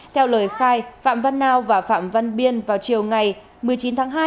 theo lời khai phạm văn nao và phạm văn biên vào chiều ngày một mươi chín tháng hai